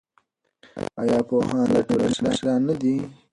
ایا پوهان د ټولنې مشران نه دي؟